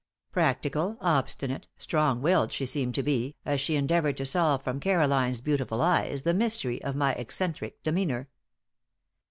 Practical, obstinate, strong willed she seemed to be, as she endeavored to solve from Caroline's beautiful eyes the mystery of my eccentric demeanor.